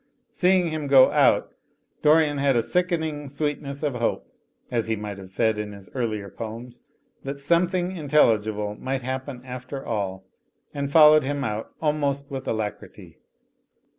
Seeing him go out, Dorian had a sickening sweetness of hope (as he might have said in his earlier poems), that some thing intelligible might happen after all, and followed him out almost with alacrity.